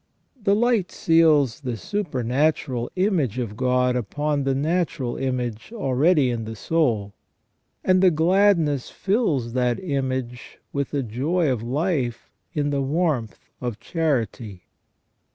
The light seals the supernatural image of God upon the natural image already in the soul, and the gladness fills that image with the joy of life in the warmth of charity.